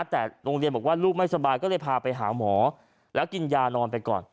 แต่โรงเรียนบอกว่าลูกไม่สบายก็เลยพาไปหาหมอแล้วกินยานอนไปก่อน